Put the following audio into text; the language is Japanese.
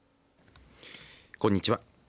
こんにちは。